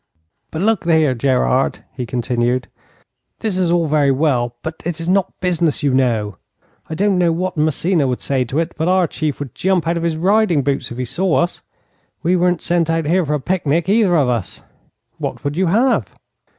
'But look here, Gerard,' he continued; 'this is all very well, but it is not business, you know. I don't know what Massena would say to it, but our Chief would jump out of his riding boots if he saw us. We weren't sent out here for a picnic either of us.' 'What would you have?'